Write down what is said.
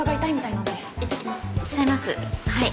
はい。